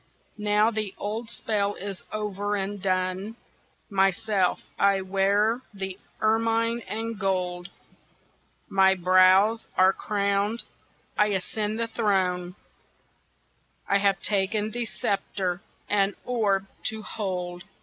Now the old spell is over and done, Myself I wear the ermine and gold, My brows are crowned, I ascend the throne, I have taken the sceptre and orb to hold.